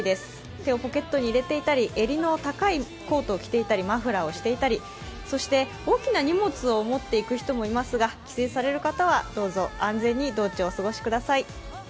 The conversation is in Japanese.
手をポケットに入れていたり、襟の高いコートを着ていたりマフラーをしていたり、そして大きな荷物を持っている人もいますが、帰省される方はどうぞ安全に道中お過ごしください。